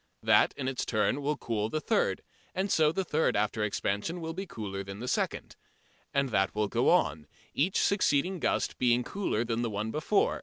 That in its turn will cool the third, and so the third after expansion will be cooler than the second. And that will go on, each succeeding gust being cooler than the one before.